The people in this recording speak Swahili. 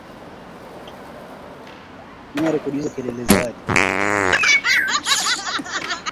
Ripoti ya Baraza inaonyesha kuwa Uganda haijaridhishwa na ripoti hiyo ya " kamati ya uhakiki “ na wanapendelea suala hilo lipelekwe ngazi ya juu zaidi